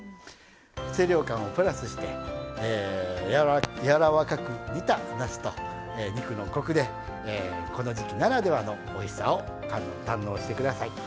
清涼感をプラスしてやわらかく煮たなすと肉のコクでこの時期ならではのおいしさを堪能してください。